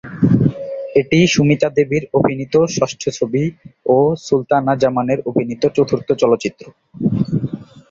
এটি সুমিতা দেবীর অভিনীত ষষ্ঠ ছবি ও সুলতানা জামানের অভিনীত চতুর্থ চলচ্চিত্র।